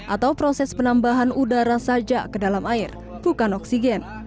atau proses penambahan udara saja ke dalam air bukan oksigen